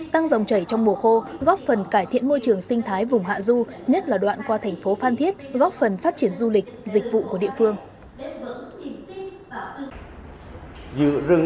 tăng dòng chảy trong mùa khô góp phần cải thiện môi trường sinh thái vùng hạ du nhất là đoạn qua thành phố phan thiết góp phần phát triển du lịch dịch vụ của địa phương